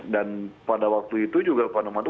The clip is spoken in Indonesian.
dan pada waktu itu juga pak nopanto